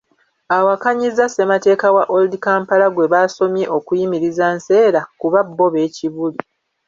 Awakanyizza ssemateeka wa Old Kampala gwe baasomye okuyimiriza Nseera kuba bbo b'e Kibuli.